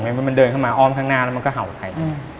เพราะมันเดินเข้ามาอ้อมข้างหน้าแล้วมันก็เห่าใคร